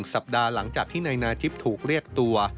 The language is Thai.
สัปดาห์หลังจากที่นายนาทิพย์ถูกเรียกตัว